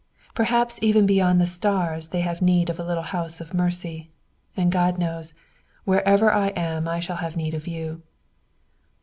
Perhaps even beyond the stars they have need of a little house of mercy; and, God knows, wherever I am I shall have need of you."